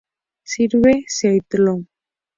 Sirve Sheldon.